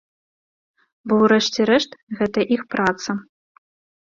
Бо, урэшце рэшт, гэта іх праца.